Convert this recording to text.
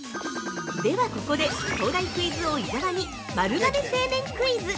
◆では、ここで東大クイズ王・伊沢に丸亀製麺クイズ。